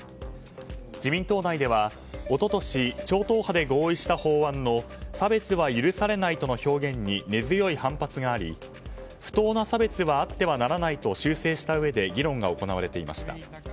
自民党内では一昨年、超党派で合意した法案の差別は許されないとの表現に根強い反発があり不当な差別はあってはならないと修正したうえで議論が行われていました。